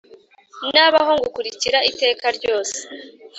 Nabaho ngukurikira iteka ryose